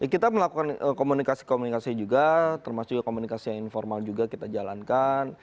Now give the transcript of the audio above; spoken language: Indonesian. kita melakukan komunikasi komunikasi juga termasuk juga komunikasi yang informal juga kita jalankan